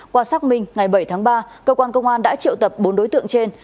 qua xác minh ngày bảy tháng ba công an đã triệu tập bốn đối tượng trên